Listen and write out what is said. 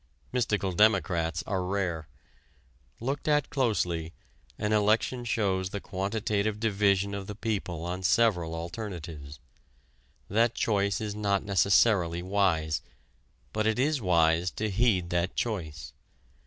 Mystical democrats are rare. Looked at closely an election shows the quantitative division of the people on several alternatives. That choice is not necessarily wise, but it is wise to heed that choice.